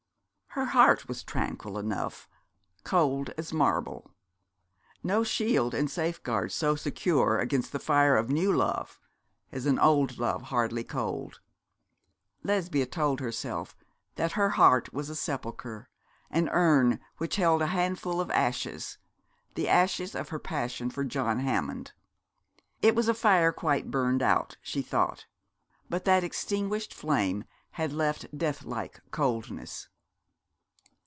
Her heart was tranquil enough, cold as marble. No shield and safeguard so secure against the fire of new love as an old love hardly cold. Lesbia told herself that her heart was a sepulchre, an urn which held a handful of ashes, the ashes of her passion for John Hammond. It was a fire quite burned out, she thought; but that extinguished flame had left death like coldness.